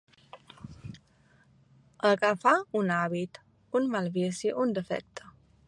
Agafar un hàbit, un mal vici, un defecte.